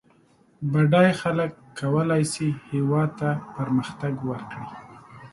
بډای خلک کولای سي هېواد ته پرمختګ ورکړي